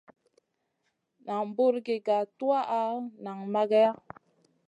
Nan buri ga tuwaʼa nang mageya.